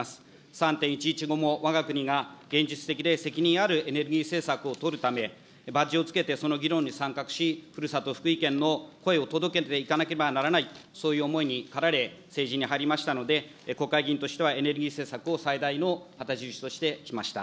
３・１１後も、わが国が現実的で責任あるエネルギー政策を取るため、バッジをつけてその議論に参画し、ふるさと、福井県の声を届けていかなければならない、そういう思いにかられ、政治に入りましたので、国会議員としてはエネルギー政策を最大の旗印としてきました。